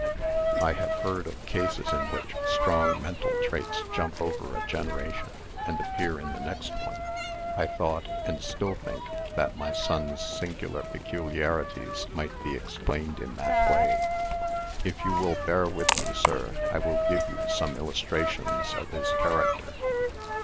I have heard of cases in which strong mental traits jump over a generation, and appear in the next one. I thought, and still think, that my son's singular peculiarities might be explained in that way. If you will bear with me, sir, I will give you some illustrations of his character.